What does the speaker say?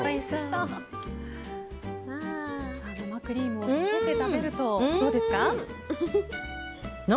生クリームをつけて食べるとどうですか？